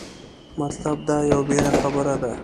مطلب دا یوه بېله خبره ده.